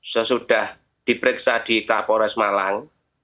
sesudah diperiksa di kapolres malang